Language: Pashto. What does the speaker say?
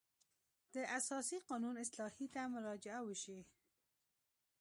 د اساسي قانون اصلاحیې ته مراجعه وشي.